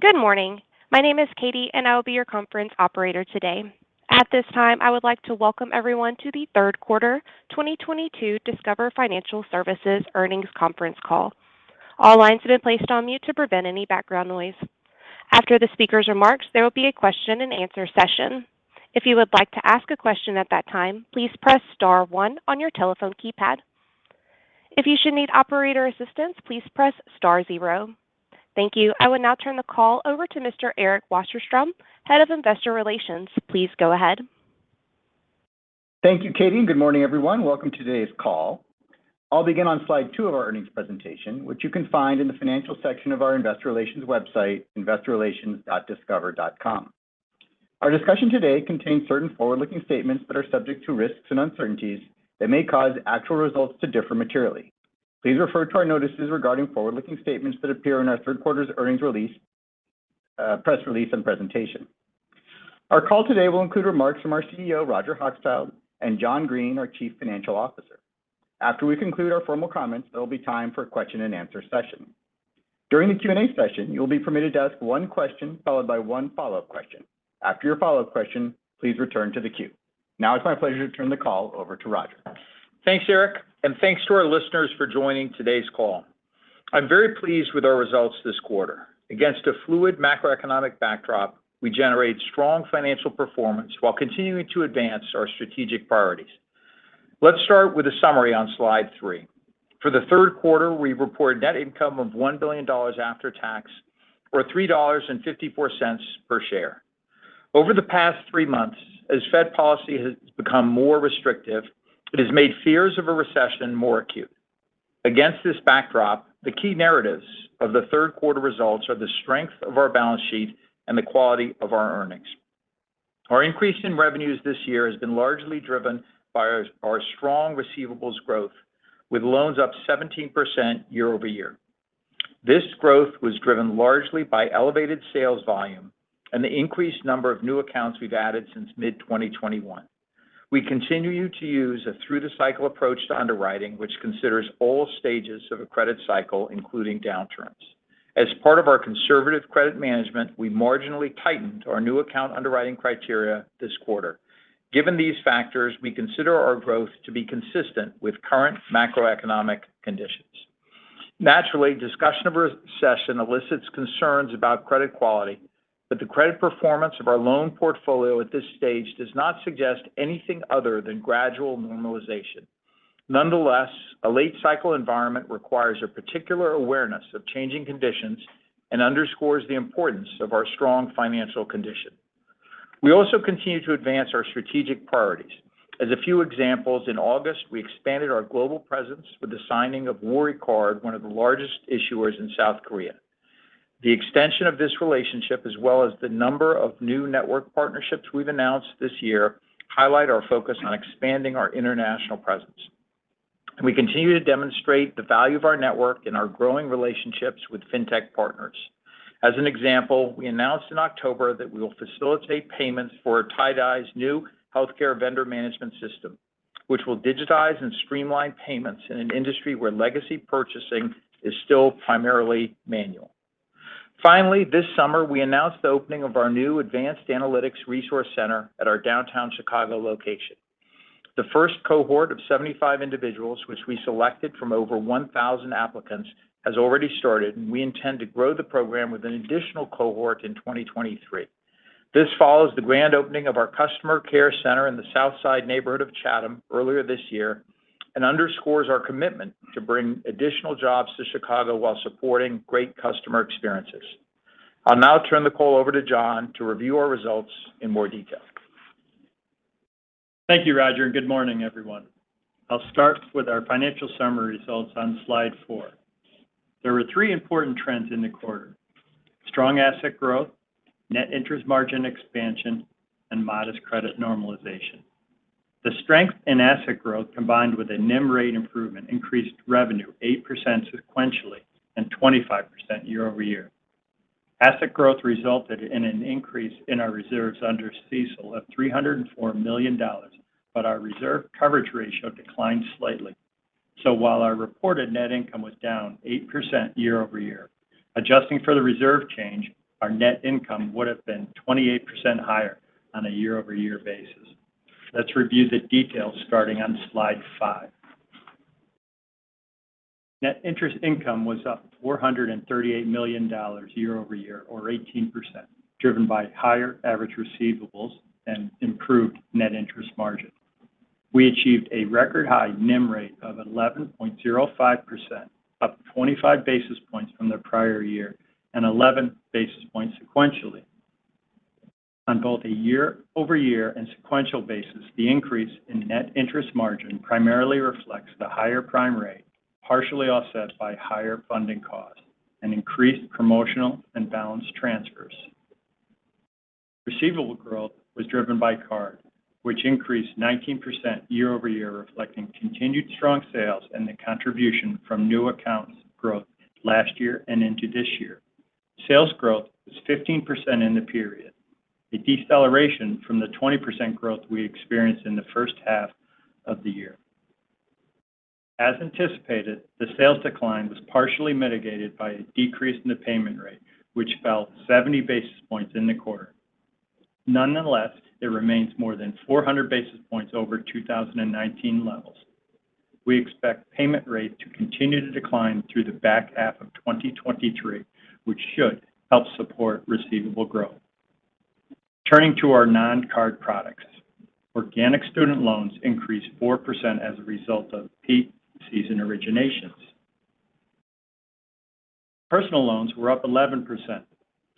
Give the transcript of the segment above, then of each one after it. Good morning. My name is Katie, and I will be your conference operator today. At this time, I would like to welcome everyone to the third quarter 2022 Discover Financial Services earnings conference call. All lines have been placed on mute to prevent any background noise. After the speaker's remarks, there will be a question-and-answer session. If you would like to ask a question at that time, please press star one on your telephone keypad. If you should need operator assistance, please press star zero. Thank you. I would now turn the call over to Mr. Eric Wasserstrom, Head of Investor Relations. Please go ahead. Thank you, Katie, and good morning, everyone. Welcome to today's call. I'll begin on Slide 2 of our earnings presentation, which you can find in the financial section of our investor relations website, investorrelations.discover.com. Our discussion today contains certain forward-looking statements that are subject to risks and uncertainties that may cause actual results to differ materially. Please refer to our notices regarding forward-looking statements that appear in our third quarter's earnings release, press release, and presentation. Our call today will include remarks from our CEO, Roger Hochschild, and John Greene, our Chief Financial Officer. After we conclude our formal comments, there will be time for a question-and-answer session. During the Q&A session, you will be permitted to ask one question followed by one follow-up question. After your follow-up question, please return to the queue. Now it's my pleasure to turn the call over to Roger. Thanks, Eric, and thanks to our listeners for joining today's call. I'm very pleased with our results this quarter. Against a fluid macroeconomic backdrop, we generate strong financial performance while continuing to advance our strategic priorities. Let's start with a summary on Slide 3. For the third quarter, we reported net income of $1 billion after tax or $3.54 per share. Over the past three months, as Fed policy has become more restrictive, it has made fears of a recession more acute. Against this backdrop, the key narratives of the third quarter results are the strength of our balance sheet and the quality of our earnings. Our increase in revenues this year has been largely driven by our strong receivables growth with loans up 17% year-over-year. This growth was driven largely by elevated sales volume and the increased number of new accounts we've added since mid-2021. We continue to use a through the cycle approach to underwriting, which considers all stages of a credit cycle, including downturns. As part of our conservative credit management, we marginally tightened our new account underwriting criteria this quarter. Given these factors, we consider our growth to be consistent with current macroeconomic conditions. Naturally, discussion of a recession elicits concerns about credit quality, but the credit performance of our loan portfolio at this stage does not suggest anything other than gradual normalization. Nonetheless, a late cycle environment requires a particular awareness of changing conditions and underscores the importance of our strong financial condition. We also continue to advance our strategic priorities. As a few examples, in August, we expanded our global presence with the signing of Woori Card, one of the largest issuers in South Korea. The extension of this relationship as well as the number of new network partnerships we've announced this year highlight our focus on expanding our international presence. We continue to demonstrate the value of our network and our growing relationships with fintech partners. As an example, we announced in October that we will facilitate payments for TYDEi's new healthcare vendor management system, which will digitize and streamline payments in an industry where legacy purchasing is still primarily manual. Finally, this summer, we announced the opening of our new advanced analytics resource center at our downtown Chicago location. The first cohort of 75 individuals, which we selected from over 1,000 applicants, has already started, and we intend to grow the program with an additional cohort in 2023. This follows the grand opening of our customer care center in the South Side neighborhood of Chatham earlier this year and underscores our commitment to bring additional jobs to Chicago while supporting great customer experiences. I'll now turn the call over to John to review our results in more detail. Thank you, Roger, and good morning, everyone. I'll start with our financial summary results on Slide 4. There are three important trends in the quarter: strong asset growth, net interest margin expansion, and modest credit normalization. The strength in asset growth, combined with a NIM rate improvement, increased revenue 8% sequentially and 25% year-over-year. Asset growth resulted in an increase in our reserves under CECL of $304 million, but our reserve coverage ratio declined slightly. While our reported net income was down 8% year-over-year, adjusting for the reserve change, our net income would have been 28% higher on a year-over-year basis. Let's review the details starting on Slide 5. Net interest income was up $438 million year-over-year or 18%, driven by higher average receivables and improved net interest margin. We achieved a record-high NIM rate of 11.05%, up 25 basis points from the prior year and 11 basis points sequentially. On both a year-over-year and sequential basis, the increase in net interest margin primarily reflects the higher prime rate, partially offset by higher funding costs and increased promotional and balance transfers. Receivable growth was driven by card, which increased 19% year-over-year, reflecting continued strong sales and the contribution from new accounts growth last year and into this year. Sales growth was 15% in the period, a deceleration from the 20% growth we experienced in the first half of the year. As anticipated, the sales decline was partially mitigated by a decrease in the payment rate, which fell 70 basis points in the quarter. Nonetheless, it remains more than 400 basis points over 2019 levels. We expect payment rate to continue to decline through the back half of 2023, which should help support receivable growth. Turning to our non-card products, organic student loans increased 4% as a result of peak season originations. Personal loans were up 11%.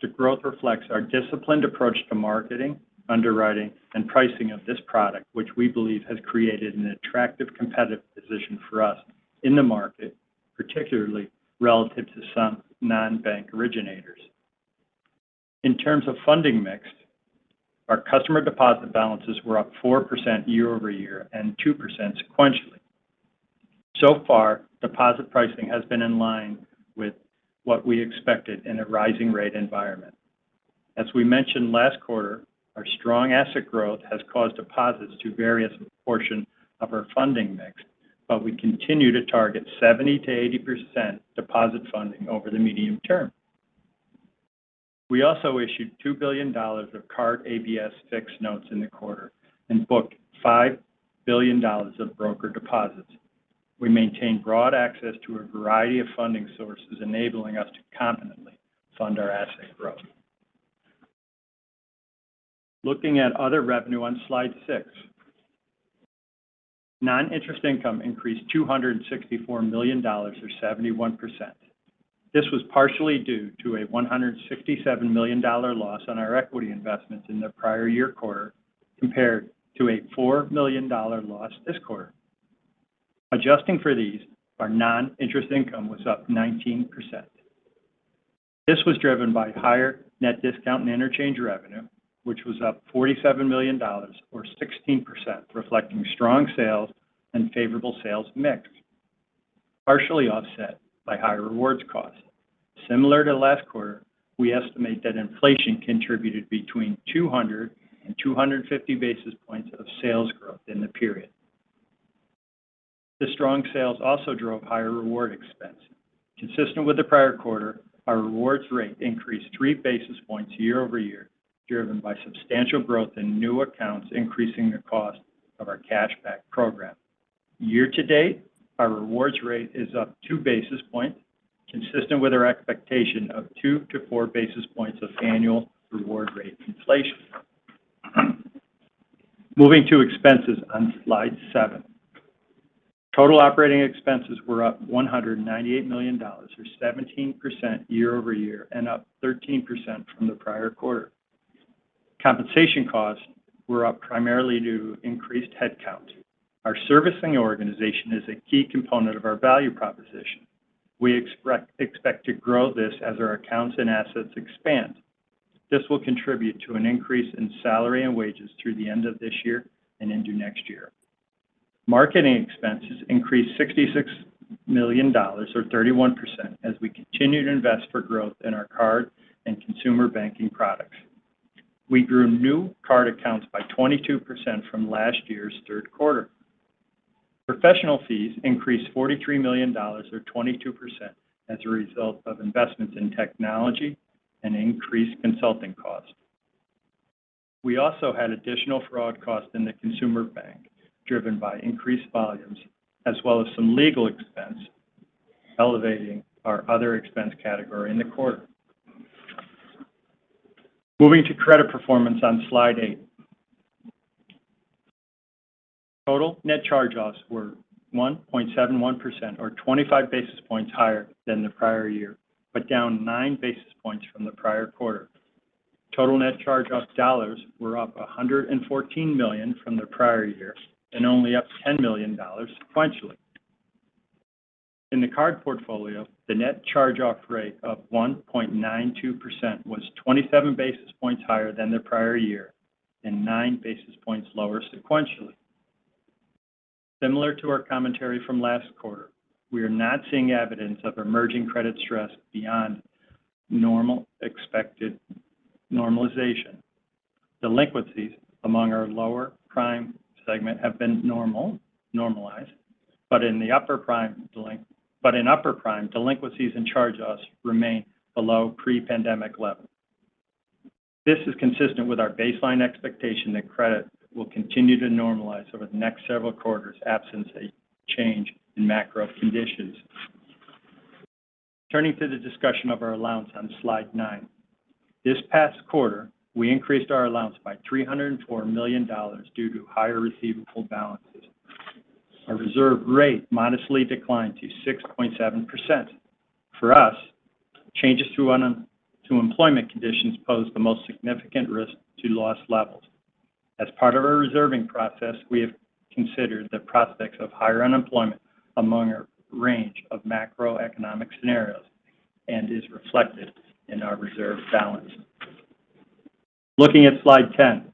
The growth reflects our disciplined approach to marketing, underwriting, and pricing of this product which we believe has created an attractive competitive position for us in the market, particularly relative to some non-bank originators. In terms of funding mix, our customer deposit balances were up 4% year-over-year and 2% sequentially. So far, deposit pricing has been in line with what we expected in a rising rate environment. As we mentioned last quarter, our strong asset growth has caused deposits to vary as a portion of our funding mix, but we continue to target 70%-80% deposit funding over the medium term. We also issued $2 billion of card ABS fixed notes in the quarter and booked $5 billion of broker deposits. We maintain broad access to a variety of funding sources enabling us to confidently fund our asset growth. Looking at other revenue on Slide 6. Non-interest income increased $264 million or 71%. This was partially due to a $167 million loss on our equity investments in the prior year quarter compared to a $4 million loss this quarter. Adjusting for these, our non-interest income was up 19%. This was driven by higher net discount and interchange revenue, which was up $47 million or 16%, reflecting strong sales and favorable sales mix, partially offset by higher rewards costs. Similar to last quarter, we estimate that inflation contributed between 200 and 250 basis points of sales growth in the period. The strong sales also drove higher reward expense. Consistent with the prior quarter, our rewards rate increased 3 basis points year-over-year, driven by substantial growth in new accounts increasing the cost of our cashback program. Year-to-date, our rewards rate is up 2 basis points, consistent with our expectation of 2-4 basis points of annual reward rate inflation. Moving to expenses on Slide 7. Total operating expenses were up $198 million or 17% year-over-year and up 13% from the prior quarter. Compensation costs were up primarily due to increased head count. Our servicing organization is a key component of our value proposition. We expect to grow this as our accounts and assets expand. This will contribute to an increase in salary and wages through the end of this year and into next year. Marketing expenses increased $66 million or 31% as we continue to invest for growth in our card and consumer banking products. We grew new card accounts by 22% from last year's third quarter. Professional fees increased $43 million or 22% as a result of investments in technology and increased consulting costs. We also had additional fraud costs in the consumer bank, driven by increased volumes as well as some legal expense, elevating our other expense category in the quarter. Moving to credit performance on Slide 8. Total net charge-offs were 1.71% or 25 basis points higher than the prior year, but down 9 basis points from the prior quarter. Total net charge-off dollars were up $114 million from the prior year and only up $10 million sequentially. In the card portfolio, the net charge-off rate of 1.92% was 27 basis points higher than the prior year and 9 basis points lower sequentially. Similar to our commentary from last quarter, we are not seeing evidence of emerging credit stress beyond normal expected normalization. Delinquencies among our lower prime segment have been normalized, but in upper prime, delinquencies and charge-offs remain below pre-pandemic levels. This is consistent with our baseline expectation that credit will continue to normalize over the next several quarters absent a change in macro conditions. Turning to the discussion of our allowance on Slide 9. This past quarter, we increased our allowance by $304 million due to higher receivable balances. Our reserve rate modestly declined to 6.7%. For us, changes to employment conditions pose the most significant risk to loss levels. As part of our reserving process, we have considered the prospects of higher unemployment among a range of macroeconomic scenarios and is reflected in our reserve balance. Looking at Slide 10.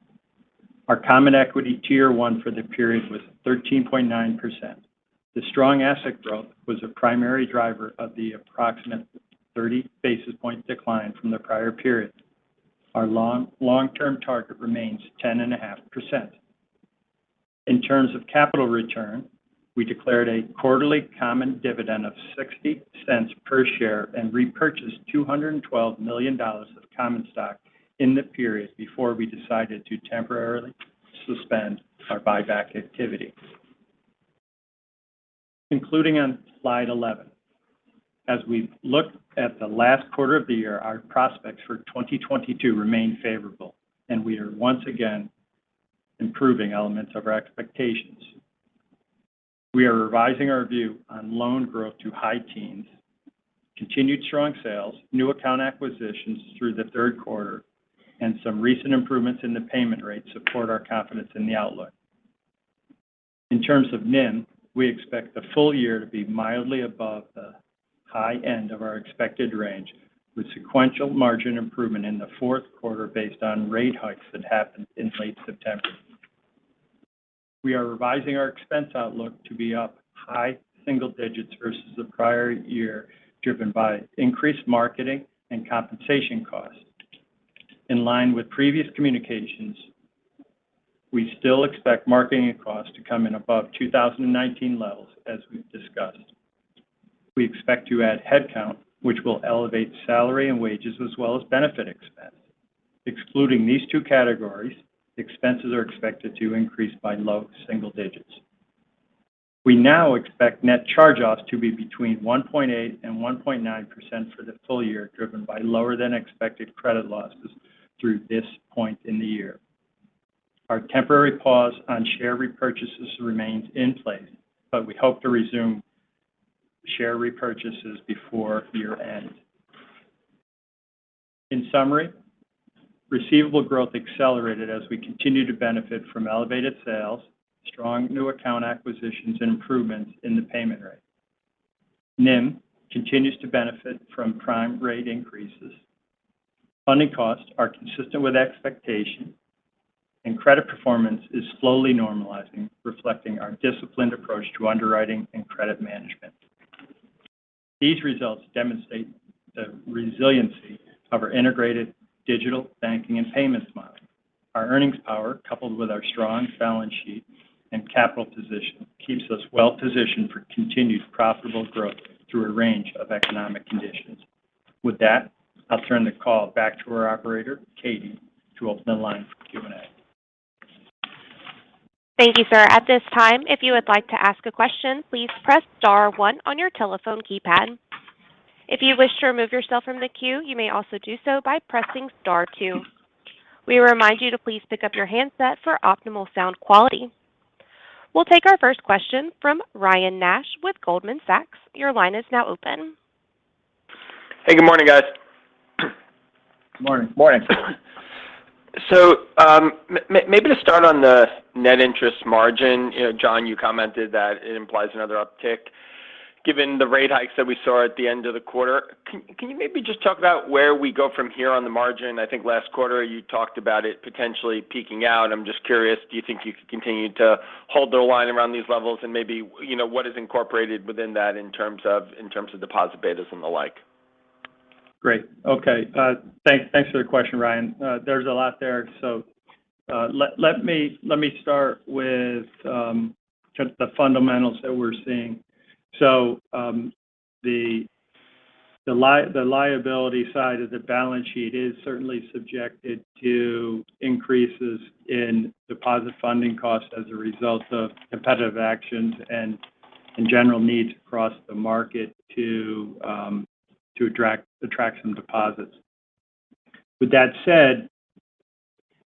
Our Common Equity Tier 1 for the period was 13.9%. The strong asset growth was a primary driver of the approximate 30 basis points decline from the prior period. Our long-term target remains 10.5%. In terms of capital return, we declared a quarterly common dividend of $0.60 per share and repurchased $212 million of common stock in the period before we decided to temporarily suspend our buyback activity. Concluding on Slide 11. As we look at the last quarter of the year, our prospects for 2022 remain favorable, and we are once again improving elements of our expectations. We are revising our view on loan growth to high teens. Continued strong sales, new account acquisitions through the third quarter, and some recent improvements in the payment rate support our confidence in the outlook. In terms of NIM, we expect the full year to be mildly above the high end of our expected range, with sequential margin improvement in the fourth quarter based on rate hikes that happened in late September. We are revising our expense outlook to be up high single digits versus the prior year, driven by increased marketing and compensation costs. In line with previous communications, we still expect marketing costs to come in above 2019 levels, as we've discussed. We expect to add headcount, which will elevate salary and wages as well as benefit expense. Excluding these two categories, expenses are expected to increase by low single digits. We now expect net charge-offs to be between 1.8% and 1.9% for the full year, driven by lower than expected credit losses through this point in the year. Our temporary pause on share repurchases remains in place, but we hope to resume share repurchases before year-end. In summary, receivable growth accelerated as we continue to benefit from elevated sales, strong new account acquisitions, and improvements in the payment rate. NIM continues to benefit from prime rate increases. Funding costs are consistent with expectation, and credit performance is slowly normalizing, reflecting our disciplined approach to underwriting and credit management. These results demonstrate the resiliency of our integrated digital banking and payments model. Our earnings power, coupled with our strong balance sheet and capital position, keeps us well-positioned for continued profitable growth through a range of economic conditions. With that, I'll turn the call back to our operator, Katie, to open the line for Q&A. Thank you, sir. At this time, if you would like to ask a question, please press star one on your telephone keypad. If you wish to remove yourself from the queue, you may also do so by pressing star two. We remind you to please pick up your handset for optimal sound quality. We'll take our first question from Ryan Nash with Goldman Sachs. Your line is now open. Hey, good morning, guys. Morning. Morning. Maybe to start on the net interest margin. You know, John, you commented that it implies another uptick. Given the rate hikes that we saw at the end of the quarter, can you maybe just talk about where we go from here on the margin? I think last quarter you talked about it potentially peaking out. I'm just curious, do you think you can continue to hold the line around these levels? Maybe, you know, what is incorporated within that in terms of deposit betas and the like? Great. Okay. Thanks for the question, Ryan. There's a lot there. Let me start with kind of the fundamentals that we're seeing. The liability side of the balance sheet is certainly subjected to increases in deposit funding costs as a result of competitive actions and general needs across the market to attract some deposits. With that said,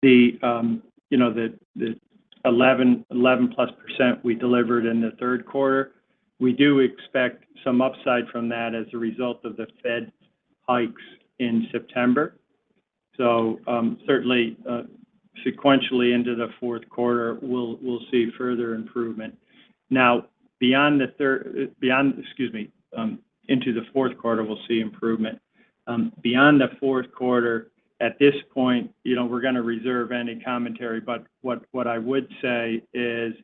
the 11%+ we delivered in the third quarter, we do expect some upside from that as a result of the Fed hikes in September. Certainly, sequentially into the fourth quarter, we'll see further improvement. Now, into the fourth quarter, we'll see improvement. Beyond the fourth quarter, at this point, you know, we're gonna reserve any commentary. What I would say is,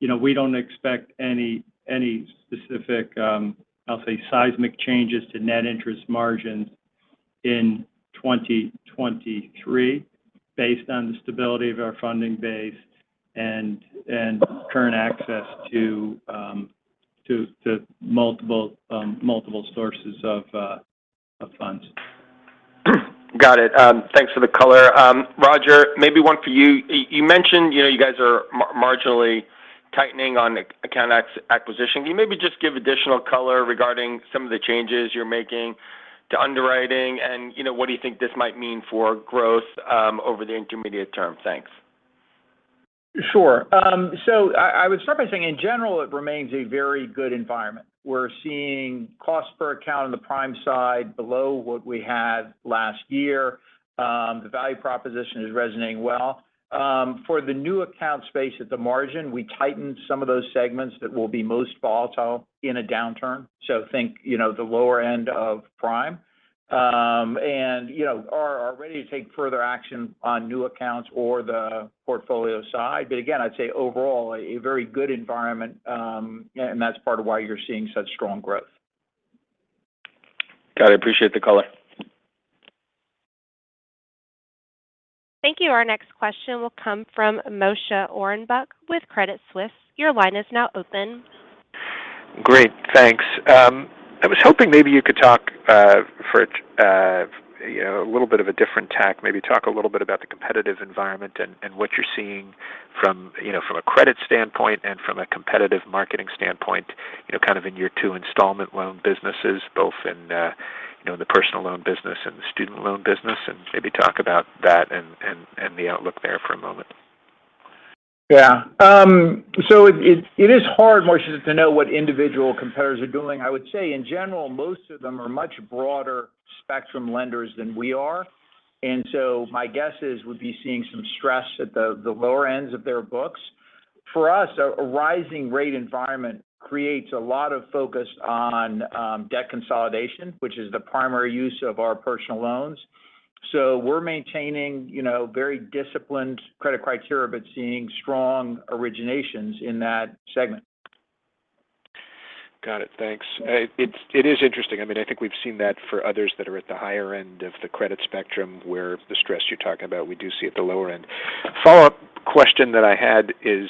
you know, we don't expect any specific, I'll say seismic changes to net interest margins in 2023 based on the stability of our funding base and current access to multiple sources of funds. Got it. Thanks for the color. Roger, maybe one for you. You mentioned, you know, you guys are marginally tightening on account acquisition. Can you maybe just give additional color regarding some of the changes you're making to underwriting and, you know, what do you think this might mean for growth over the intermediate term? Thanks. Sure. I would start by saying in general, it remains a very good environment. We're seeing costs per account on the prime side below what we had last year. The value proposition is resonating well. For the new account space at the margin, we tightened some of those segments that will be most volatile in a downturn. Think, you know, the lower end of prime. You know, are ready to take further action on new accounts or the portfolio side. Again, I'd say overall, a very good environment, and that's part of why you're seeing such strong growth. Got it. Appreciate the call. Thank you. Our next question will come from Moshe Orenbuch with Credit Suisse. Your line is now open. Great. Thanks. I was hoping maybe you could talk, you know, a little bit of a different tack, maybe talk a little bit about the competitive environment and what you're seeing from, you know, from a credit standpoint and from a competitive marketing standpoint, you know, kind of in your two installment loan businesses, both in the personal loan business and the student loan business. Maybe talk about that and the outlook there for a moment. Yeah. So it is hard, Moshe, to know what individual competitors are doing. I would say in general, most of them are much broader spectrum lenders than we are. My guess is we'd be seeing some stress at the lower ends of their books. For us, a rising rate environment creates a lot of focus on debt consolidation, which is the primary use of our personal loans. We're maintaining, you know, very disciplined credit criteria, but seeing strong originations in that segment. Got it. Thanks. It is interesting. I mean, I think we've seen that for others that are at the higher end of the credit spectrum where the stress you're talking about we do see at the lower end. Follow-up question that I had is,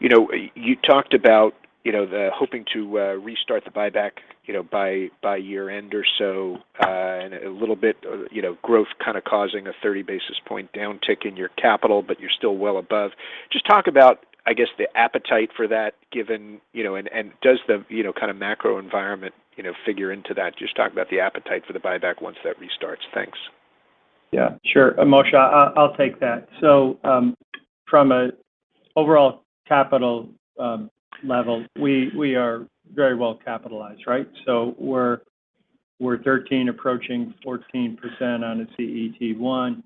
you know, you talked about, you know, the hoping to restart the buyback, you know, by year-end or so, and a little bit, you know, growth kind of causing a 30 basis point downtick in your capital, but you're still well above. Just talk about, I guess, the appetite for that given, you know, and does the, you know, kind of macro environment, you know, figure into that? Just talk about the appetite for the buyback once that restarts. Thanks. Yeah. Sure. Moshe, I'll take that. From an overall capital level, we are very well capitalized, right? We're 13% approaching 14% on a CET1.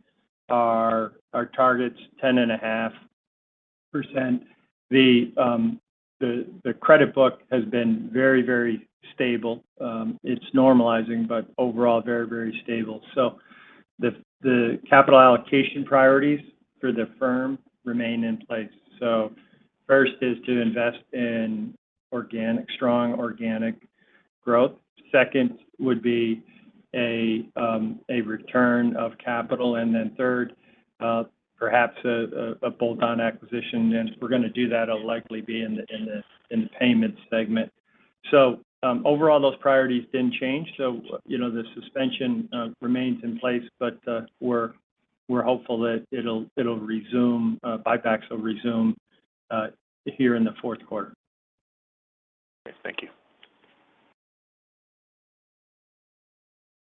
Our target is 10.5%. The credit book has been very stable. It's normalizing, but overall very stable. The capital allocation priorities for the firm remain in place. First is to invest in strong organic growth. Second would be a return of capital. Third, perhaps a bolt-on acquisition. If we're gonna do that, it'll likely be in the payment segment. Overall, those priorities didn't change. You know, the suspension remains in place, but we're hopeful that buybacks will resume here in the fourth quarter. Okay. Thank you.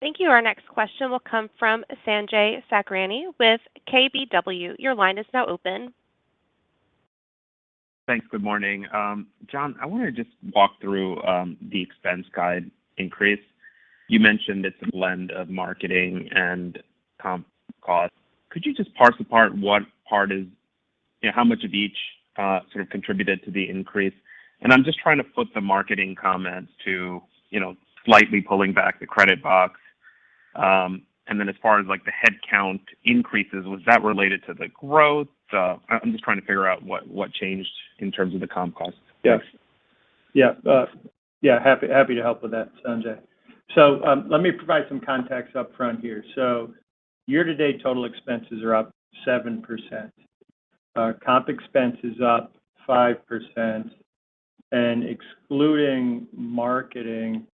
Thank you. Our next question will come from Sanjay Sakhrani with KBW. Your line is now open. Thanks. Good morning. John, I want to just walk through the expense guide increase. You mentioned it's a blend of marketing and comp costs. Could you just parse apart what part is. You know, how much of each, sort of contributed to the increase? I'm just trying to flip the marketing comments to, you know, slightly pulling back the credit box. And then as far as, like, the headcount increases, was that related to the growth? I'm just trying to figure out what changed in terms of the comp costs. Yes. Yeah, happy to help with that, Sanjay. Let me provide some context upfront here. Year-to-date total expenses are up 7%. Comp expense is up 5%. Excluding marketing,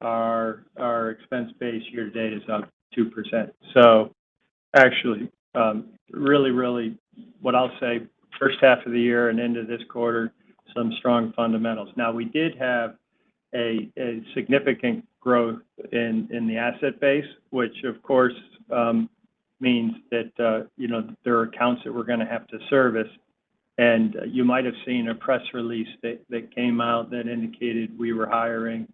our expense base year-to-date is up 2%. Actually, really what I'll say first half of the year and into this quarter, some strong fundamentals. Now, we did have a significant growth in the asset base, which of course means that, you know, there are accounts that we're going to have to service. You might have seen a press release that came out that indicated we were hiring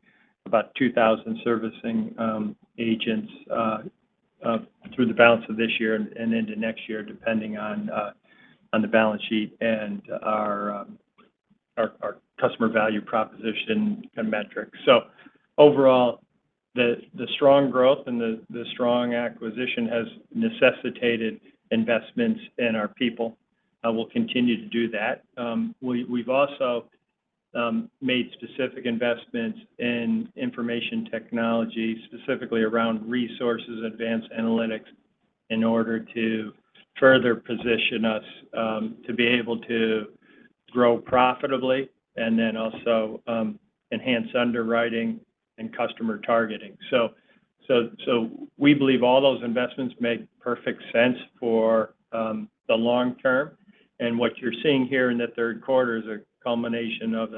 about 2,000 servicing agents through the balance of this year and into next year, depending on the balance sheet and our customer value proposition and metrics. Overall, the strong growth and the strong acquisition has necessitated investments in our people. We'll continue to do that. We've also made specific investments in information technology, specifically around resources, advanced analytics in order to further position us to be able to grow profitably and then also enhance underwriting and customer targeting. We believe all those investments make perfect sense for the long term. What you're seeing here in the third quarter is a culmination of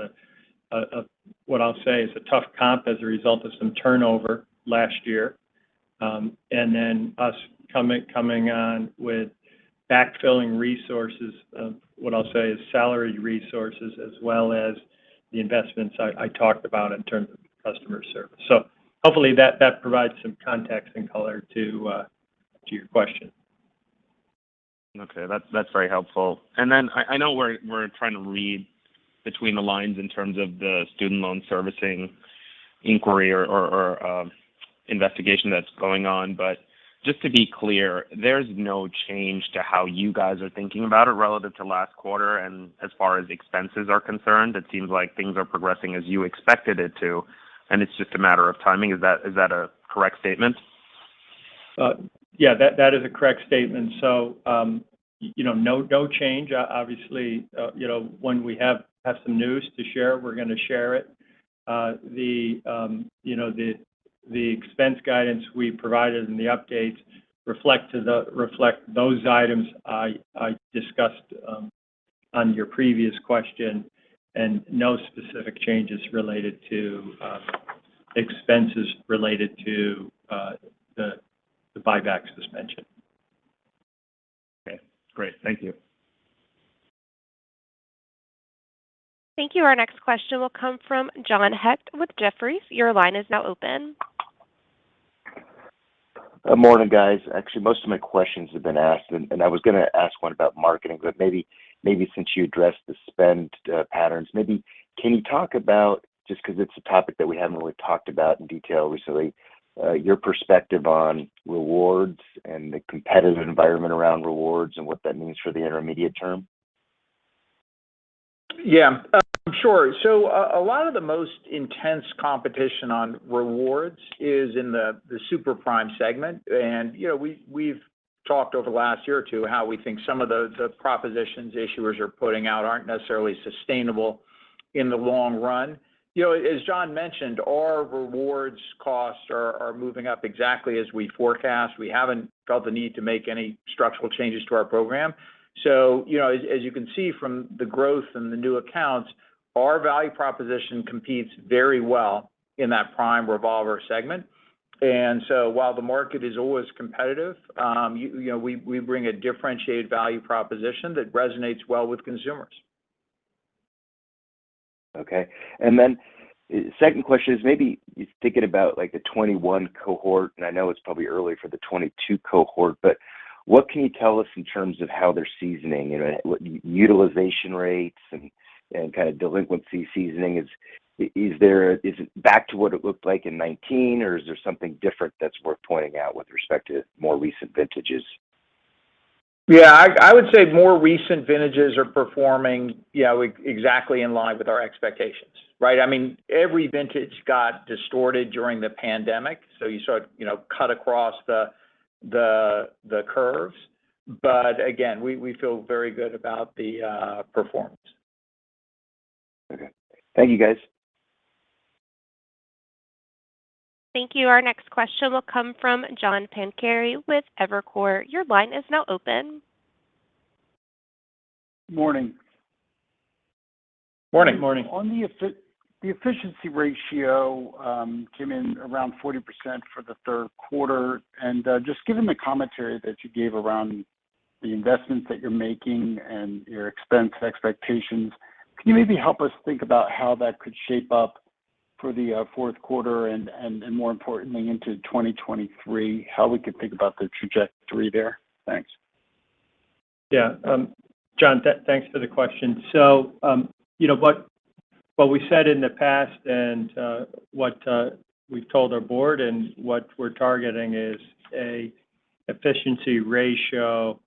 what I'll say is a tough comp as a result of some turnover last year. Then us coming on with backfilling resources of what I'll say is salaried resources as well as the investments I talked about in terms of customer service. Hopefully that provides some context and color to your question. Okay. That's very helpful. I know we're trying to read between the lines in terms of the student loan servicing inquiry or investigation that's going on. Just to be clear, there's no change to how you guys are thinking about it relative to last quarter and as far as expenses are concerned? It seems like things are progressing as you expected it to, and it's just a matter of timing. Is that a correct statement? Yeah. That is a correct statement. You know, no change. Obviously, you know, when we have some news to share, we're gonna share it. You know, the expense guidance we provided in the updates reflect those items I discussed on your previous question, and no specific changes related to expenses related to the buyback suspension. Okay. Great. Thank you. Thank you. Our next question will come from John Hecht with Jefferies. Your line is now open. Good morning, guys. Actually, most of my questions have been asked, and I was gonna ask one about marketing, but maybe since you addressed the spend patterns, can you talk about, just 'cause it's a topic that we haven't really talked about in detail recently, your perspective on rewards and the competitive environment around rewards and what that means for the intermediate term? Yeah. Sure. A lot of the most intense competition on rewards is in the super prime segment. You know, we've talked over the last year or two how we think some of the propositions issuers are putting out aren't necessarily sustainable in the long run. You know, as John mentioned, our rewards costs are moving up exactly as we forecast. We haven't felt the need to make any structural changes to our program. You know, as you can see from the growth in the new accounts, our value proposition competes very well in that prime revolver segment. While the market is always competitive, you know, we bring a differentiated value proposition that resonates well with consumers. Okay. Second question is maybe you're thinking about like the 2021 cohort, and I know it's probably early for the 2022 cohort, but what can you tell us in terms of how they're seasoning? You know, what utilization rates and kind of delinquency seasoning. Is it back to what it looked like in 2019, or is there something different that's worth pointing out with respect to more recent vintages? Yeah. I would say more recent vintages are performing, yeah, exactly in line with our expectations, right? I mean, every vintage got distorted during the pandemic, so you sort of, you know, cut across the curves. Again, we feel very good about the performance. Okay. Thank you, guys. Thank you. Our next question will come from John Pancari with Evercore. Your line is now open. Morning. Morning. Morning. On the efficiency ratio came in around 40% for the third quarter. Just given the commentary that you gave around the investments that you're making and your expense expectations, can you maybe help us think about how that could shape up for the fourth quarter and more importantly into 2023, how we could think about the trajectory there? Thanks. Yeah. John, thanks for the question. You know, what we said in the past and what we've told our board and what we're targeting is an efficiency ratio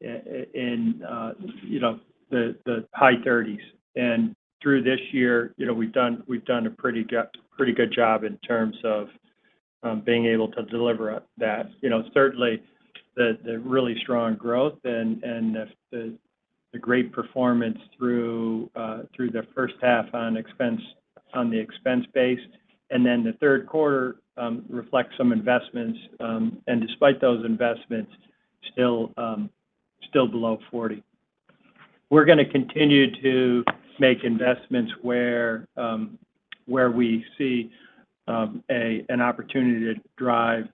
in the high 30s. Through this year, you know, we've done a pretty good job in terms of being able to deliver that. You know, certainly the really strong growth and the great performance through the first half on the expense base, and then the third quarter reflects some investments. Despite those investments, still below forty. We're gonna continue to make investments where we see an opportunity to drive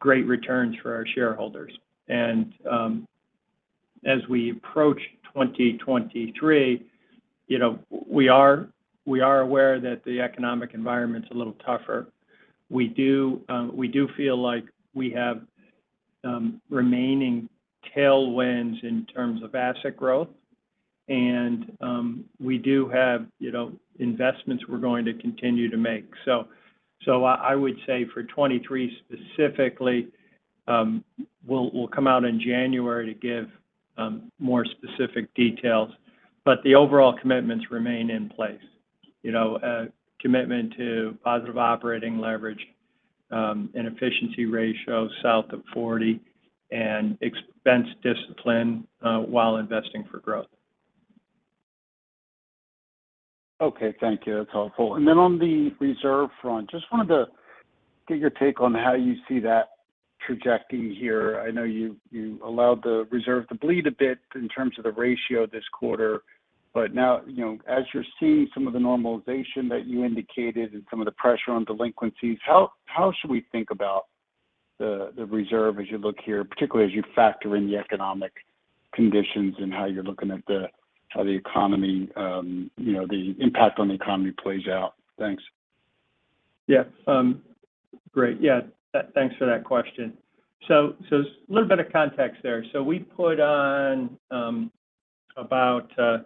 great returns for our shareholders. As we approach 2023, you know, we are aware that the economic environment's a little tougher. We do feel like we have remaining tailwinds in terms of asset growth. We do have, you know, investments we're going to continue to make. I would say for 2023 specifically, we'll come out in January to give more specific details, but the overall commitments remain in place. You know, a commitment to positive operating leverage and efficiency ratio south of 40, and expense discipline while investing for growth. Okay. Thank you. That's helpful. On the reserve front, just wanted to get your take on how you see that trajectory here. I know you allowed the reserve to bleed a bit in terms of the ratio this quarter. Now, you know, as you're seeing some of the normalization that you indicated and some of the pressure on delinquencies, how should we think about the reserve as you look here, particularly as you factor in the economic conditions and how the economy, you know, the impact on the economy plays out? Thanks. Yeah. Great. Yeah. Thanks for that question. A little bit of context there. We put on about $5.5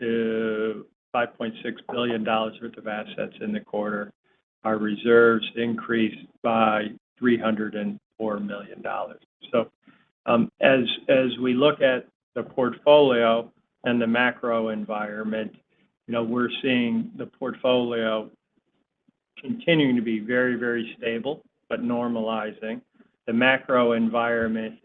billion-$5.6 billion worth of assets in the quarter. Our reserves increased by $304 million. As we look at the portfolio and the macro environment, you know, we're seeing the portfolio continuing to be very stable but normalizing. The macro environment,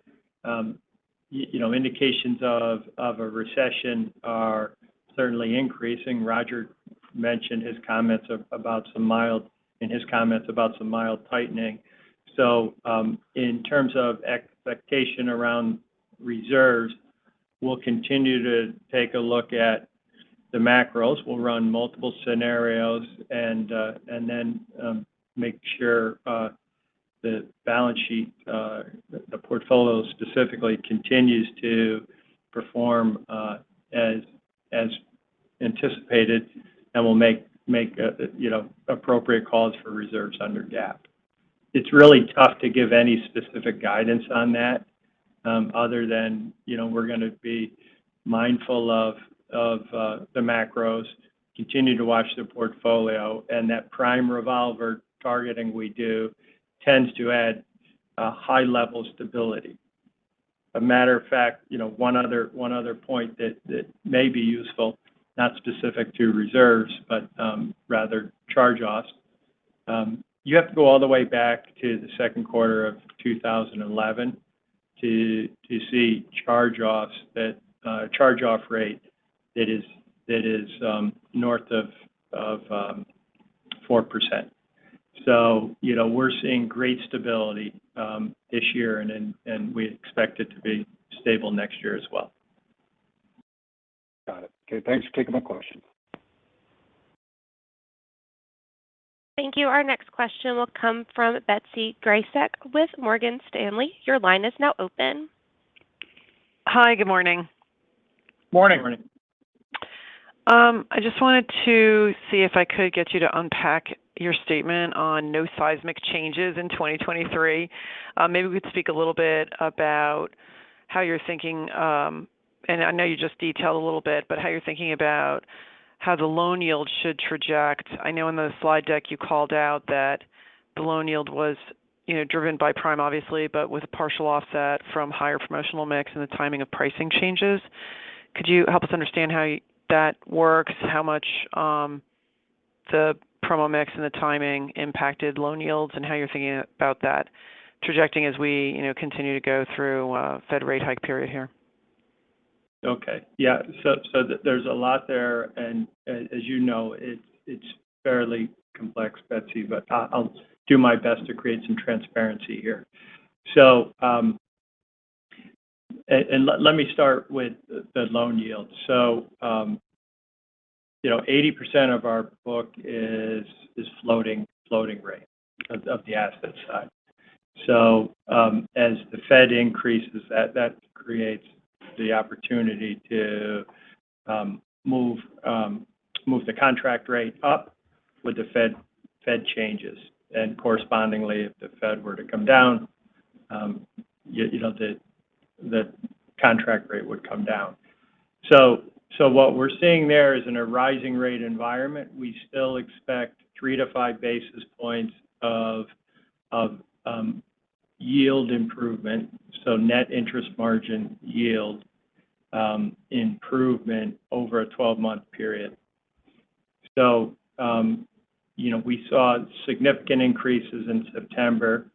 you know, indications of a recession are certainly increasing. Roger mentioned his comments about some mild tightening. In terms of expectation around reserves, we'll continue to take a look at the macros. We'll run multiple scenarios and then make sure the balance sheet, the portfolio specifically continues to perform as anticipated and we'll make you know appropriate calls for reserves under GAAP. It's really tough to give any specific guidance on that other than you know we're gonna be mindful of the macros, continue to watch the portfolio, and that prime revolver targeting we do tends to add a high level of stability. A matter of fact, you know, one other point that may be useful, not specific to reserves, but rather charge-offs. You have to go all the way back to the second quarter of 2011 to see charge-offs that charge-off rate that is north of 4%. You know, we're seeing great stability this year and we expect it to be stable next year as well. Got it. Okay. Thanks for taking my question. Thank you. Our next question will come from Betsy Graseck with Morgan Stanley. Your line is now open. Hi. Good morning. Morning. I just wanted to see if I could get you to unpack your statement on no seismic changes in 2023. Maybe we could speak a little bit about how you're thinking, and I know you just detailed a little bit, but how you're thinking about how the loan yield should project. I know in the slide deck you called out that the loan yield was, you know, driven by prime obviously, but with a partial offset from higher promotional mix and the timing of pricing changes. Could you help us understand how that works, how much the promo mix and the timing impacted loan yields, and how you're thinking about that projecting as we, you know, continue to go through a Fed rate hike period here? Okay. Yeah. There's a lot there and as you know, it's fairly complex, Betsy, but I'll do my best to create some transparency here. Let me start with the loan yield. You know, 80% of our book is floating rate on the asset side. As the Fed increases that creates the opportunity to move the contract rate up with the Fed changes. Correspondingly, if the Fed were to come down, you know, the contract rate would come down. What we're seeing there is in a rising rate environment, we still expect 3-5 basis points of yield improvement, so net interest margin yield improvement over a 12-month period. You know, we saw significant increases in September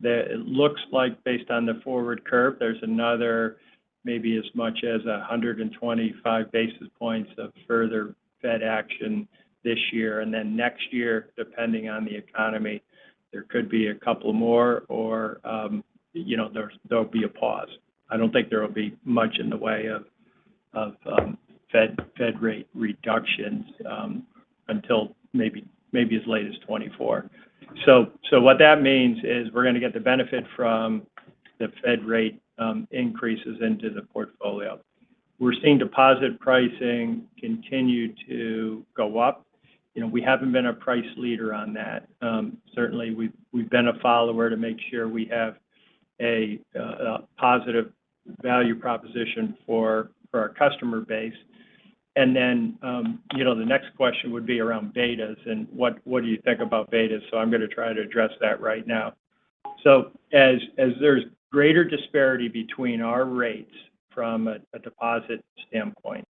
that it looks like based on the forward curve, there's another maybe as much as 125 basis points of further Fed action this year. Then next year, depending on the economy, there could be a couple more or, you know, there'll be a pause. I don't think there will be much in the way of Fed rate reductions until maybe as late as 2024. What that means is we're going to get the benefit from the Fed rate increases into the portfolio. We're seeing deposit pricing continue to go up. You know, we haven't been a price leader on that. Certainly, we've been a follower to make sure we have a positive value proposition for our customer base. You know, the next question would be around betas and what do you think about betas? I'm going to try to address that right now. As there's greater disparity between our rates from a deposit standpoint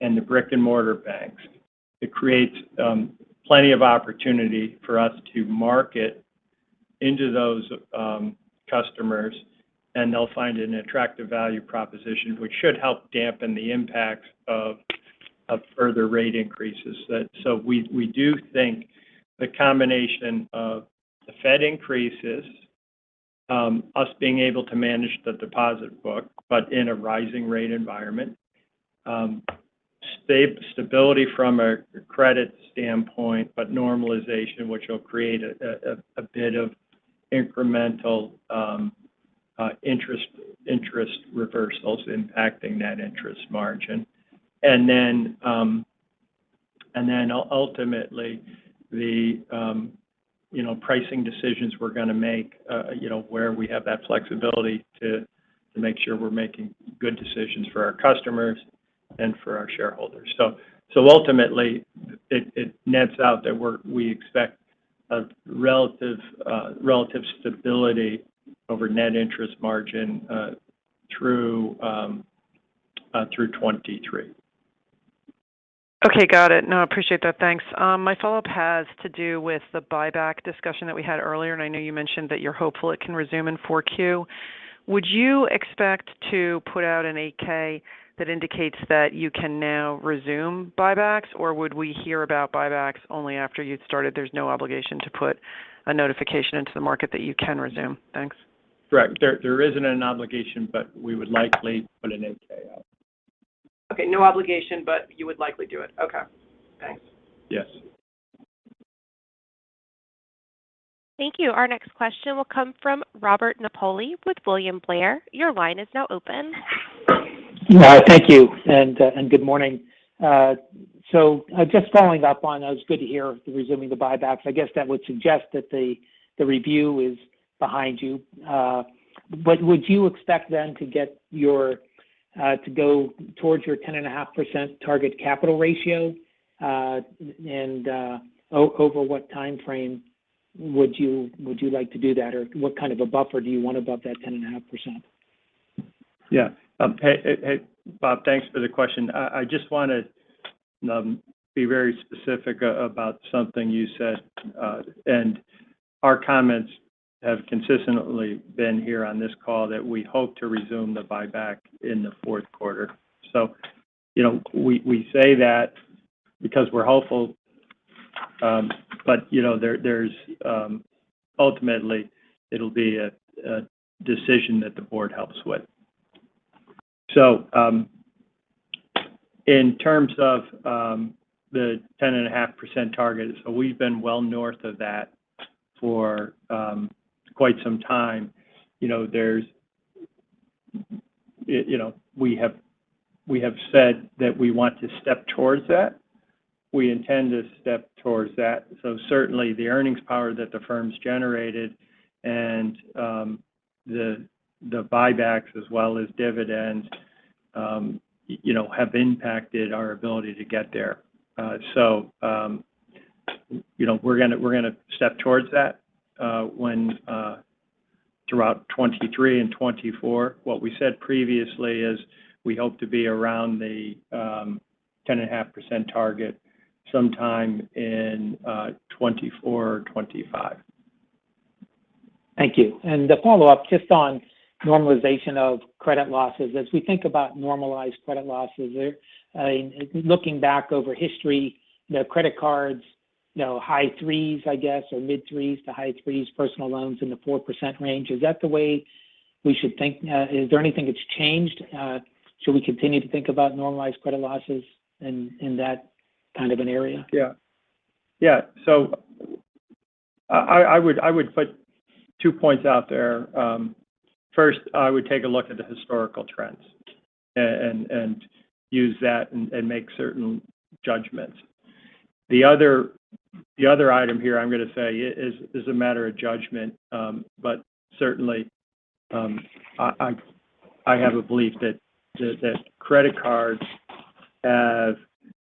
and the brick-and-mortar banks, it creates plenty of opportunity for us to market into those customers, and they'll find an attractive value proposition, which should help dampen the impact of further rate increases. We do think the combination of the Fed increases, us being able to manage the deposit book, but in a rising rate environment, stability from a credit standpoint, but normalization, which will create a bit of incremental interest reversals impacting net interest margin. Ultimately the pricing decisions we're gonna make, you know, where we have that flexibility to make sure we're making good decisions for our customers and for our shareholders. Ultimately it nets out that we expect a relative stability over net interest margin through 2023. Okay. Got it. No, I appreciate that. Thanks. My follow-up has to do with the buyback discussion that we had earlier, and I know you mentioned that you're hopeful it can resume in Q4. Would you expect to put out an 8-K that indicates that you can now resume buybacks, or would we hear about buybacks only after you'd started? There's no obligation to put a notification into the market that you can resume. Thanks. Correct. There isn't an obligation, but we would likely put an 8-K out. Okay. No obligation, but you would likely do it. Okay. Thanks. Yes. Thank you. Our next question will come from Robert Napoli with William Blair. Your line is now open. Yeah. Thank you. Good morning. Just following up. It was good to hear resuming the buybacks. I guess that would suggest that the review is behind you. Would you expect then to go towards your 10.5% target capital ratio? Over what timeframe would you like to do that? Or what kind of a buffer do you want above that 10.5%? Yeah. Hey, Robert, thanks for the question. I just wanna be very specific about something you said. Our comments have consistently been here on this call that we hope to resume the buyback in the fourth quarter. You know, we say that because we're hopeful. Ultimately it'll be a decision that the board helps with. In terms of the 10.5% target, we've been well north of that for quite some time. You know, we have said that we want to step towards that. We intend to step towards that. Certainly the earnings power that the firm's generated and the buybacks as well as dividends, you know, have impacted our ability to get there. You know, we're gonna step towards that throughout 2023 and 2024. What we said previously is we hope to be around the 10.5% target sometime in 2024 or 2025. Thank you. The follow-up just on normalization of credit losses. As we think about normalized credit losses, looking back over history, you know, credit cards, you know, high 3s I guess, or mid-3s to high 3s, personal loans in the 4% range. Is that the way we should think? Is there anything that's changed? Should we continue to think about normalized credit losses in that kind of an area? Yeah. Yeah. I would put two points out there. First, I would take a look at the historical trends and use that and make certain judgments. The other item here I'm gonna say is a matter of judgment. Certainly, I have a belief that credit cards have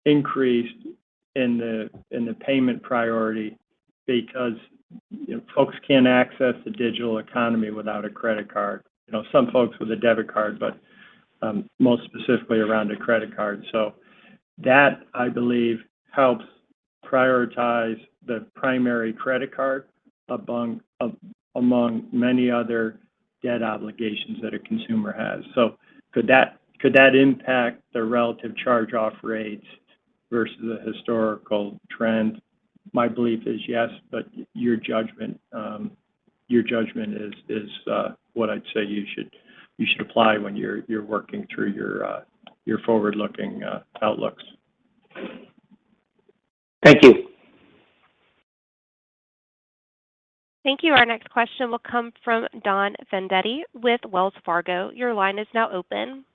increased in the payment priority because, you know, folks can't access the digital economy without a credit card. You know, some folks with a debit card, but most specifically around a credit card. That, I believe, helps prioritize the primary credit card among many other debt obligations that a consumer has. Could that impact the relative charge-off rates versus the historical trend? My belief is yes, but your judgment is what I'd say you should apply when you're working through your forward-looking outlooks. Thank you. Thank you. Our next question will come from Don Fandetti with Wells Fargo. Your line is now open.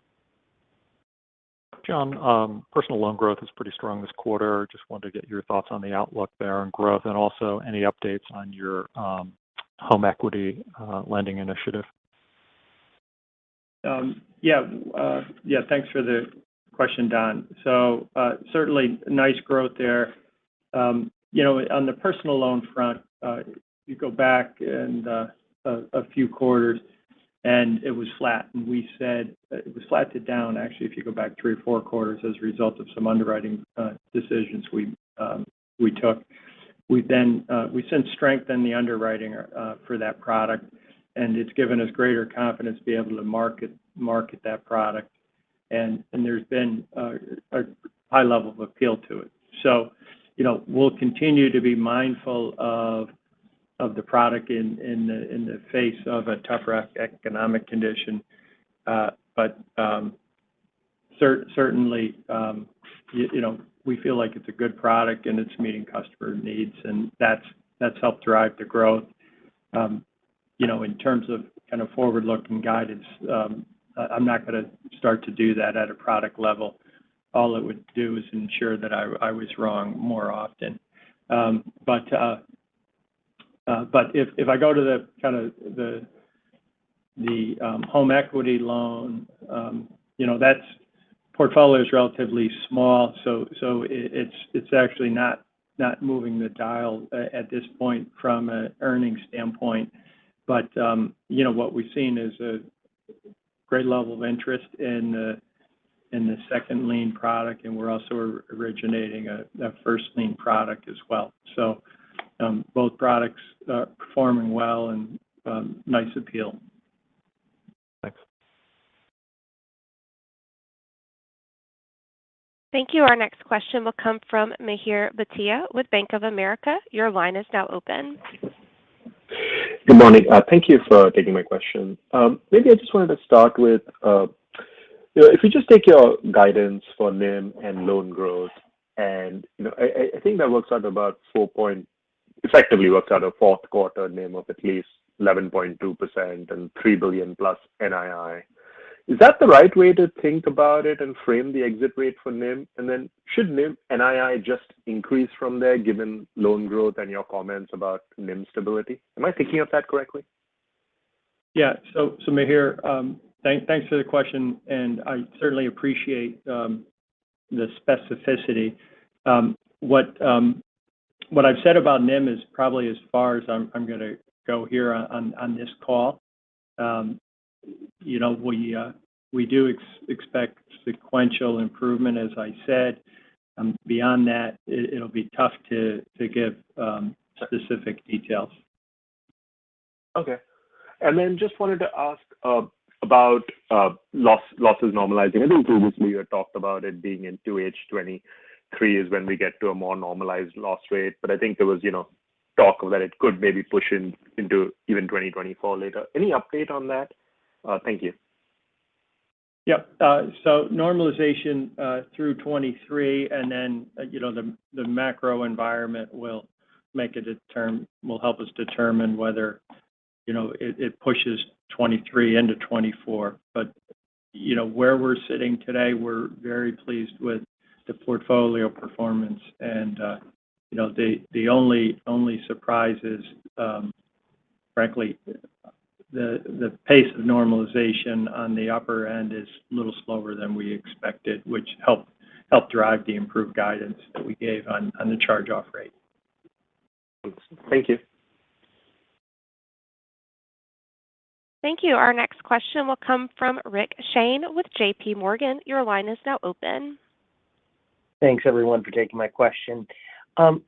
John, personal loan growth is pretty strong this quarter. Just wanted to get your thoughts on the outlook there and growth and also any updates on your home equity lending initiative? Yeah, thanks for the question, Don. Certainly nice growth there. You know, on the personal loan front, you go back and a few quarters, and it was flat. It was flat to down actually if you go back three or four quarters as a result of some underwriting decisions we took. We since strengthened the underwriting for that product, and it's given us greater confidence to be able to market that product. There's been a high level of appeal to it. You know, we'll continue to be mindful of the product in the face of a tougher economic condition. Certainly, you know, we feel like it's a good product and it's meeting customer needs, and that's helped drive the growth. You know, in terms of kind of forward-looking guidance, I'm not gonna start to do that at a product level. All it would do is ensure that I was wrong more often. If I go to the home equity loan, you know, that portfolio is relatively small, so it's actually not moving the dial at this point from an earnings standpoint. You know, what we've seen is a great level of interest in the second lien product, and we're also originating a first lien product as well. Both products are performing well and nice appeal. Thanks. Thank you. Our next question will come from Mihir Bhatia with Bank of America. Your line is now open. Good morning. Thank you for taking my question. Maybe I just wanted to start with, you know, if you just take your guidance for NIM and loan growth, and, you know, I think that effectively works out a fourth quarter NIM of at least 11.2% and $3 billion+ NII. Is that the right way to think about it and frame the exit rate for NIM? Then should NIM NII just increase from there given loan growth and your comments about NIM stability? Am I thinking of that correctly? Yeah. Mihir, thanks for the question, and I certainly appreciate the specificity. What I've said about NIM is probably as far as I'm gonna go here on this call. You know, we do expect sequential improvement, as I said. Beyond that, it'll be tough to give specific details. Okay. Then just wanted to ask about losses normalizing. I think previously you had talked about it being in 2H 2023 is when we get to a more normalized loss rate. I think there was, you know, talk that it could maybe push into even 2024 later. Any update on that? Thank you. Yeah. So normalization through 2023 and then, you know, the macro environment will help us determine whether, you know, it pushes 2023 into 2024. Where we're sitting today, we're very pleased with the portfolio performance and, you know, the only surprise is, frankly, the pace of normalization on the upper end is a little slower than we expected, which helped drive the improved guidance that we gave on the charge-off rate. Thanks. Thank you. Thank you. Our next question will come from Richard Shane with JPMorgan. Your line is now open. Thanks everyone for taking my question.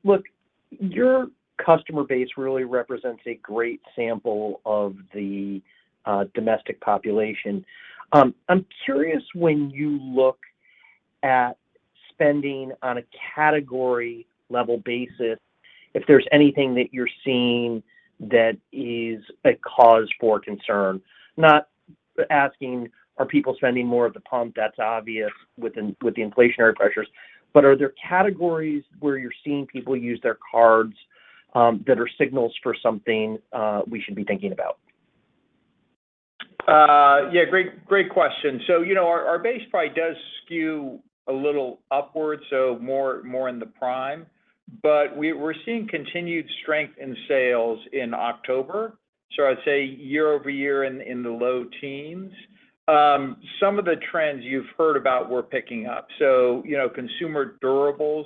Look, your customer base really represents a great sample of the domestic population. I'm curious when you look at spending on a category level basis, if there's anything that you're seeing that is a cause for concern? Not asking are people spending more at the pump, that's obvious with the inflationary pressures. Are there categories where you're seeing people use their cards, that are signals for something we should be thinking about? Yeah, great question. You know, our base probably does skew a little upward, so more in the prime. But we're seeing continued strength in sales in October. I'd say year-over-year in the low teens. Some of the trends you've heard about were picking up. You know, consumer durables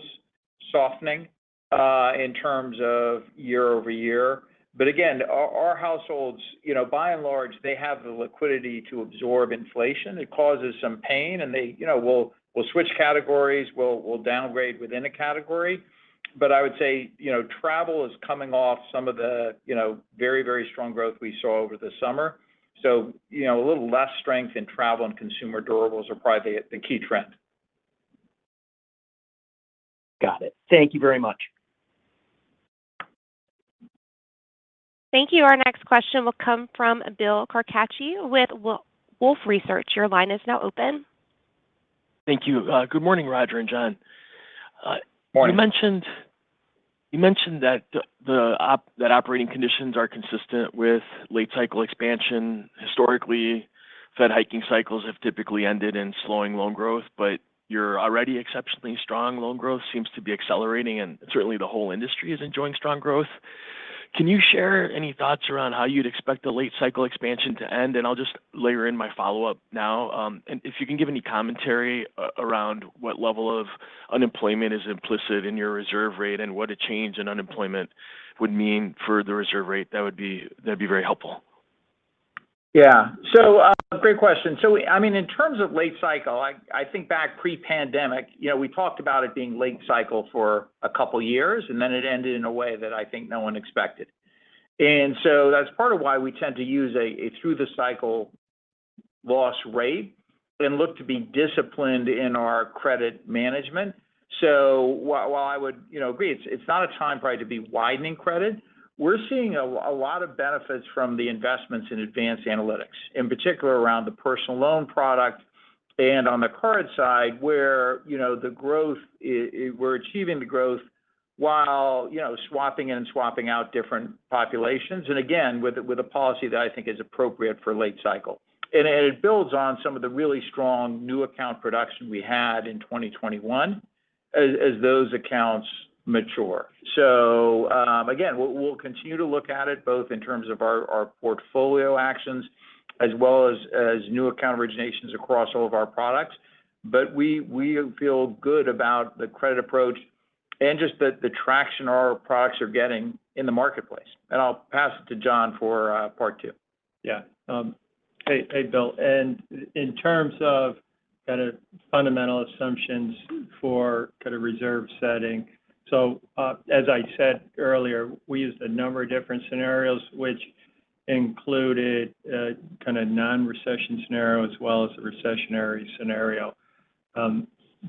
softening in terms of year-over-year. But again, our households, you know, by and large, they have the liquidity to absorb inflation. It causes some pain and they, you know, will switch categories, will downgrade within a category. But I would say, you know, travel is coming off some of the, you know, very strong growth we saw over the summer. You know, a little less strength in travel and consumer durables are probably the key trend. Got it. Thank you very much. Thank you. Our next question will come from Bill Carcache with Wolfe Research. Your line is now open. Thank you. Good morning, Roger and John. Morning. You mentioned that operating conditions are consistent with late cycle expansion. Historically, Fed hiking cycles have typically ended in slowing loan growth, but your already exceptionally strong loan growth seems to be accelerating, and certainly the whole industry is enjoying strong growth. Can you share any thoughts around how you'd expect a late cycle expansion to end? I'll just layer in my follow-up now. If you can give any commentary around what level of unemployment is implicit in your reserve rate and what a change in unemployment would mean for the reserve rate, that'd be very helpful. Yeah. Great question. I mean, in terms of late cycle, I think back pre-pandemic, you know, we talked about it being late cycle for a couple years, and then it ended in a way that I think no one expected. That's part of why we tend to use a through the cycle loss rate and look to be disciplined in our credit management. While I would, you know, agree it's not a time probably to be widening credit. We're seeing a lot of benefits from the investments in advanced analytics, in particular around the personal loan product. On the card side where, you know, the growth is, we're achieving the growth while, you know, swapping in and swapping out different populations. Again, with a policy that I think is appropriate for late cycle. It builds on some of the really strong new account production we had in 2021 as those accounts mature. Again, we'll continue to look at it both in terms of our portfolio actions as well as new account originations across all of our products. We feel good about the credit approach and just the traction our products are getting in the marketplace. I'll pass it to John for part two. Yeah. Hey, Bill. In terms of kind of fundamental assumptions for kind of reserve setting. As I said earlier, we used a number of different scenarios which included a kind of non-recession scenario as well as a recessionary scenario.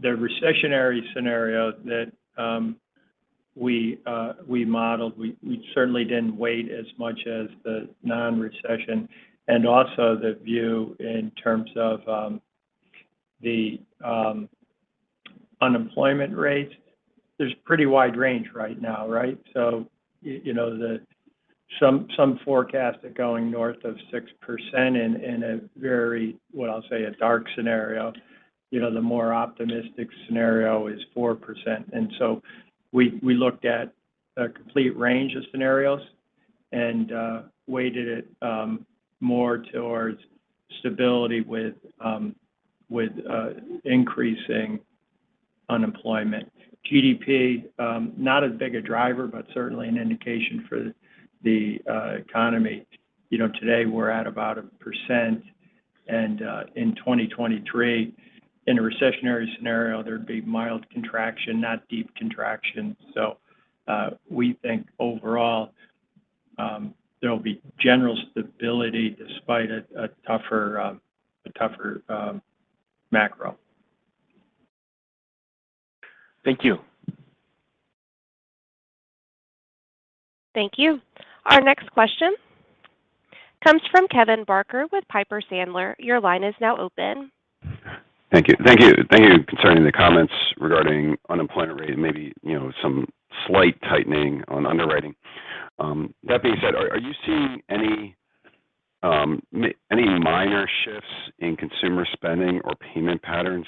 The recessionary scenario that we modeled, we certainly didn't weight as much as the non-recession. Also the view in terms of the unemployment rate. There's a pretty wide range right now, right? You know, some forecasts are going north of 6% in a very, what I'll say, a dark scenario. You know, the more optimistic scenario is 4%. We looked at a complete range of scenarios and weighted it more towards stability with increasing unemployment. GDP, not as big a driver, but certainly an indication for the economy. You know, today we're at about 1%. In 2023, in a recessionary scenario, there'd be mild contraction, not deep contraction. We think overall, there'll be general stability despite a tougher macro. Thank you. Thank you. Our next question comes from Kevin Barker with Piper Sandler. Your line is now open. Thank you. Concerning the comments regarding unemployment rate and maybe, you know, some slight tightening on underwriting. That being said, are you seeing any any minor shifts in consumer spending or payment patterns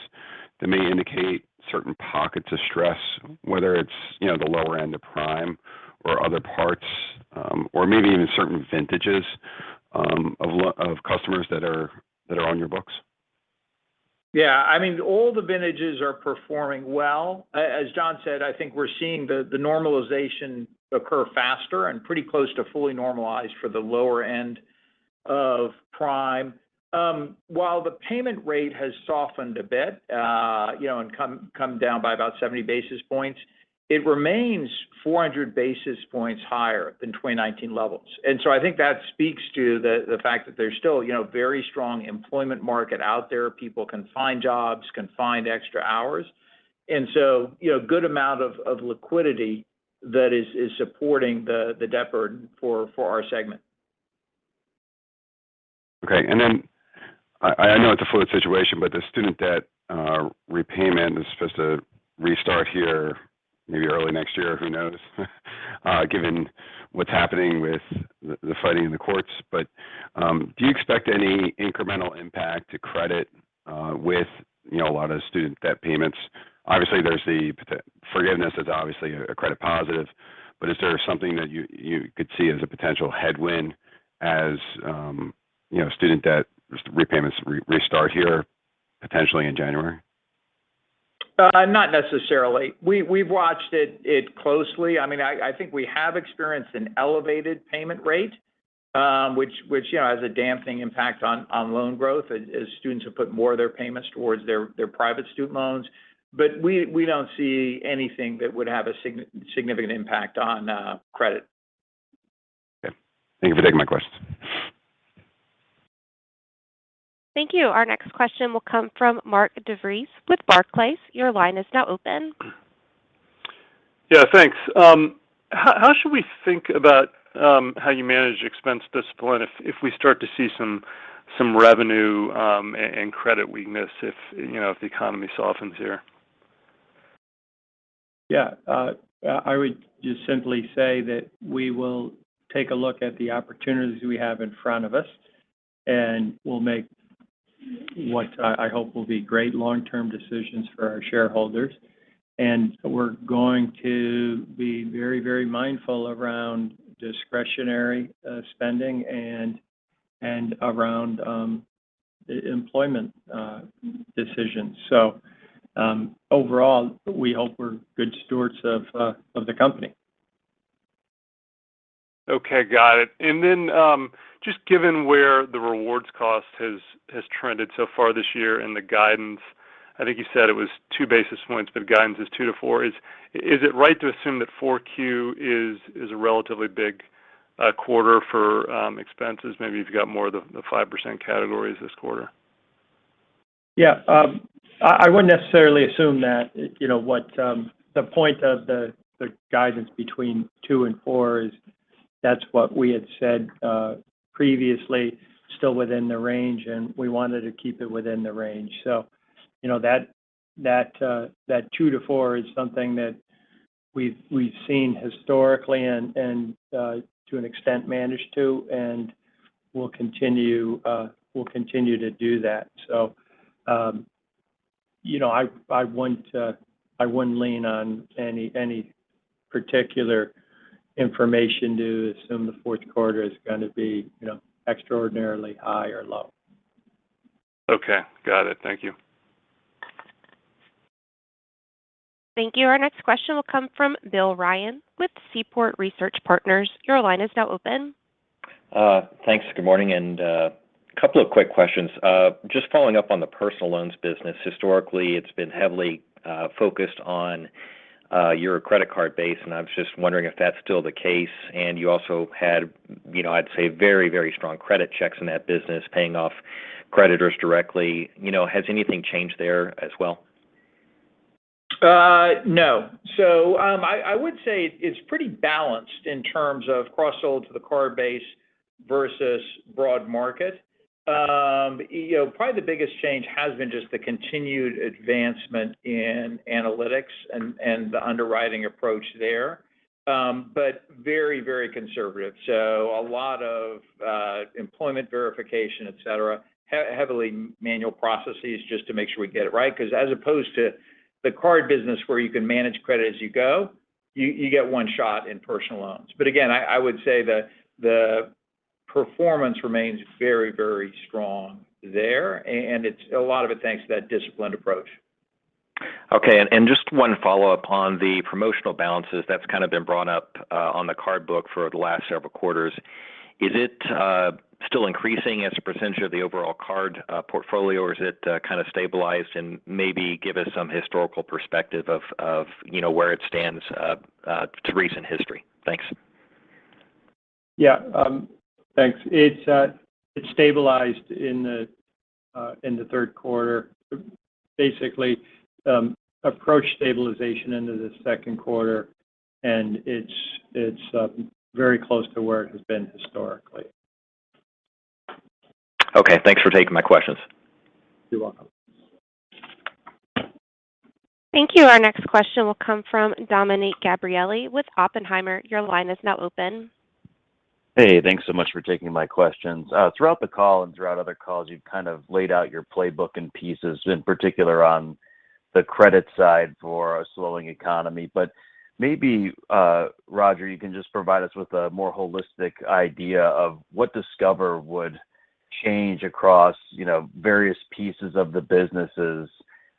that may indicate certain pockets of stress, whether it's, you know, the lower end of prime or other parts, or maybe even certain vintages of customers that are on your books? Yeah. I mean, all the vintages are performing well. As John said, I think we're seeing the normalization occur faster and pretty close to fully normalized for the lower end of prime. While the payment rate has softened a bit, you know, and come down by about 70 basis points, it remains 400 basis points higher than 2019 levels. I think that speaks to the fact that there's still, you know, very strong employment market out there. People can find jobs, can find extra hours. You know, good amount of liquidity that is supporting the debt burden for our segment. Okay. I know it's a fluid situation, but the student debt repayment is supposed to restart here maybe early next year. Who knows? Given what's happening with the fighting in the courts. Do you expect any incremental impact to credit with you know a lot of student debt payments? Obviously, the potential forgiveness is obviously a credit positive, but is there something that you could see as a potential headwind as you know student debt repayments restart here potentially in January? Not necessarily. We've watched it closely. I mean, I think we have experienced an elevated payment rate, which, you know, has a damping impact on loan growth as students have put more of their payments towards their private student loans. We don't see anything that would have a significant impact on credit. Okay. Thank you for taking my questions. Thank you. Our next question will come from Mark DeVries with Barclays. Your line is now open. Yeah, thanks. How should we think about how you manage expense discipline if we start to see some revenue and credit weakness, you know, if the economy softens here? Yeah, I would just simply say that we will take a look at the opportunities we have in front of us, and we'll make what I hope will be great long-term decisions for our shareholders. We're going to be very, very mindful around discretionary spending and around employment decisions. Overall, we hope we're good stewards of the company. Okay, got it. Just given where the rewards cost has trended so far this year and the guidance, I think you said it was 2 basis points, but guidance is 2-4 basis points. Is it right to assume that 4Q is a relatively big quarter for expenses? Maybe you've got more of the 5% categories this quarter. Yeah. I wouldn't necessarily assume that, you know, what the point of the guidance between 2 and 4 basis points is that's what we had said previously still within the range, and we wanted to keep it within the range. You know, that 2-4 basis points is something that we've seen historically and to an extent managed to, and we'll continue to do that. You know, I wouldn't lean on any particular information to assume the fourth quarter is gonna be extraordinarily high or low. Okay. Got it. Thank you. Thank you. Our next question will come from Bill Ryan with Seaport Research Partners. Your line is now open. Thanks. Good morning, and couple of quick questions. Just following up on the personal loans business. Historically, it's been heavily focused on your credit card base, and I was just wondering if that's still the case. You also had, you know, I'd say very, very strong credit checks in that business, paying off creditors directly. You know, has anything changed there as well? No. I would say it's pretty balanced in terms of cross-sells to the card base versus broad market. You know, probably the biggest change has been just the continued advancement in analytics and the underwriting approach there. But very, very conservative. A lot of employment verification, etc. Heavily manual processes just to make sure we get it right. 'Cause as opposed to the card business where you can manage credit as you go, you get one shot in personal loans. But again, I would say the performance remains very, very strong there and it's a lot of it thanks to that disciplined approach. Okay. Just one follow-up on the promotional balances that's kind of been brought up on the card book for the last several quarters. Is it still increasing as a percentage of the overall card portfolio, or is it kind of stabilized? Maybe give us some historical perspective of you know where it stands to recent history. Thanks. Yeah. Thanks. It stabilized in the third quarter. Basically, approached stabilization into the second quarter, and it's very close to where it has been historically. Okay. Thanks for taking my questions. You're welcome. Thank you. Our next question will come from Dominick Gabriele with Oppenheimer. Your line is now open. Hey, thanks so much for taking my questions. Throughout the call and throughout other calls, you've kind of laid out your playbook in pieces, in particular on the credit side for a slowing economy. But maybe, Roger, you can just provide us with a more holistic idea of what Discover would change across, you know, various pieces of the businesses,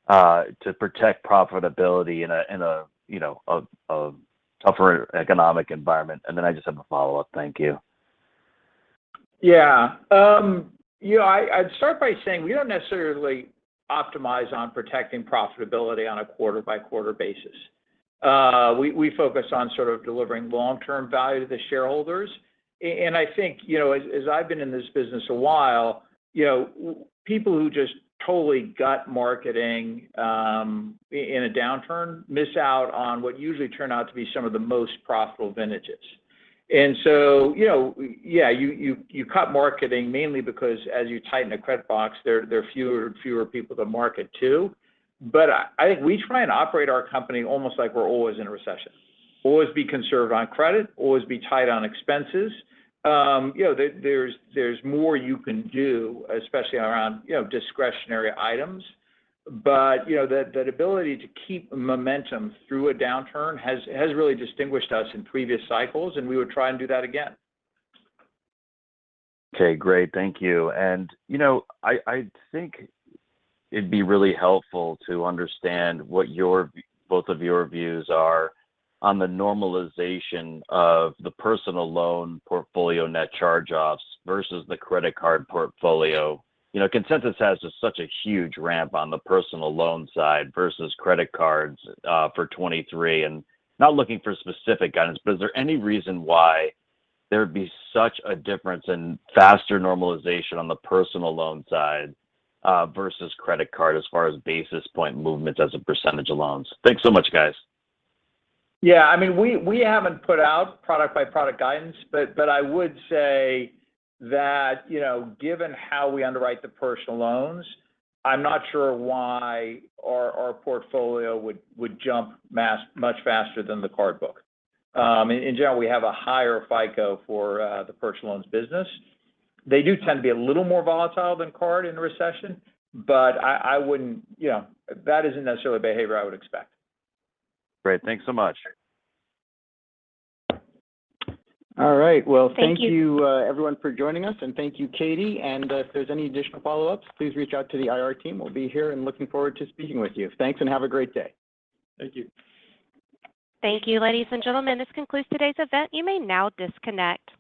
to protect profitability in a, you know, a tougher economic environment. Then I just have a follow-up. Thank you. Yeah. You know, I'd start by saying we don't necessarily optimize on protecting profitability on a quarter-by-quarter basis. We focus on sort of delivering long-term value to the shareholders. I think, you know, as I've been in this business a while, you know, people who just totally gut marketing in a downturn miss out on what usually turn out to be some of the most profitable vintages. You know, yeah, you cut marketing mainly because as you tighten a credit box, there are fewer people to market to. I think we try and operate our company almost like we're always in a recession. Always be conservative on credit, always be tight on expenses. You know, there's more you can do, especially around discretionary items. You know, the ability to keep momentum through a downturn has really distinguished us in previous cycles, and we would try and do that again. Okay. Great. Thank you. You know, I think it'd be really helpful to understand what both of your views are on the normalization of the personal loan portfolio net charge-offs versus the credit card portfolio. You know, consensus has such a huge ramp on the personal loan side versus credit cards for 2023. Not looking for specific guidance, but is there any reason why there'd be such a difference in faster normalization on the personal loan side versus credit card as far as basis point movements as a percentage of loans? Thanks so much, guys. Yeah. I mean, we haven't put out product-by-product guidance, but I would say that, you know, given how we underwrite the Personal Loans, I'm not sure why our portfolio would jump much faster than the card book. In general, we have a higher FICO for the Personal Loans business. They do tend to be a little more volatile than card in a recession, but I wouldn't, you know, that isn't necessarily behavior I would expect. Great. Thanks so much. All right. Well, thank you. Thank you. everyone for joining us, and thank you, Katie. If there's any additional follow-ups, please reach out to the IR team. We'll be here and looking forward to speaking with you. Thanks, and have a great day. Thank you. Thank you, ladies and gentlemen. This concludes today's event. You may now disconnect.